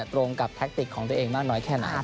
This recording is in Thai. ตรงกับแท็กติกของตัวเองมากน้อยแค่ไหน